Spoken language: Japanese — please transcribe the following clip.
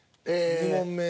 ２問目。